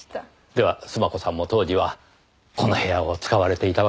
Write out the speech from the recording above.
では須磨子さんも当時はこの部屋を使われていたわけですね。